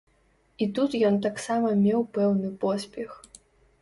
І тут ён таксама меў пэўны поспех.